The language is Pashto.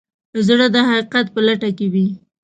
زړه د حقیقت په لټه کې وي.